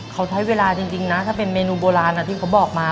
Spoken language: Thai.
เขาใช้เวลาจริงนะถ้าเป็นเมนูโบราณที่เขาบอกมา